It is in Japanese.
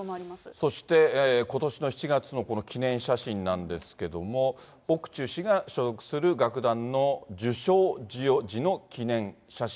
そして、ことしの７月のこの記念写真なんですけれども、オクチュ氏が所属する楽団の受章授与時の記念写真。